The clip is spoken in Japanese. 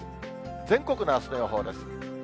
全国のあすの予報です。